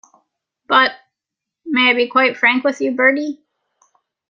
But — may I be quite frank with you, Bertie?